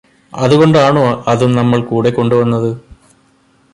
അതുകൊണ്ടാണോ അതും നമ്മൾ കൂടെ കൊണ്ടുവന്നത്